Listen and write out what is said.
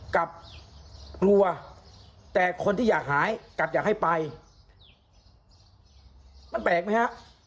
กลับกลัวแต่คนที่อยากหายกลับอยากให้ไปมันแปลกไหมฮะ